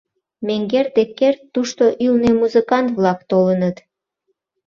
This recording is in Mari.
— Менгер Деккер, тушто ӱлнӧ музыкант-влак толыныт.